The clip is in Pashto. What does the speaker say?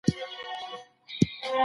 له ټولنیزو امتیازاتو بې برخي نه سي.